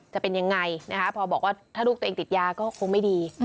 จะเป็นยังไงนะคะพอบอกว่าถ้าลูกตัวเองติดยาก็คงไม่ดี